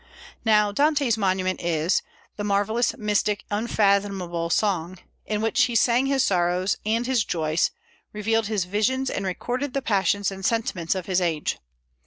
Now Dante's monument is "the marvellous, mystic, unfathomable song," in which he sang his sorrows and his joys, revealed his visions, and recorded the passions and sentiments of his age.